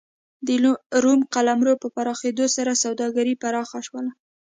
د روم قلمرو په پراخېدو سره سوداګري پراخ شول